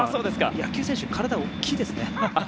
野球選手って体が大きいですね。